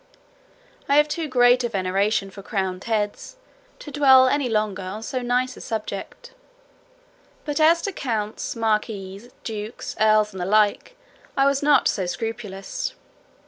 I have too great a veneration for crowned heads, to dwell any longer on so nice a subject. But as to counts, marquises, dukes, earls, and the like, I was not so scrupulous.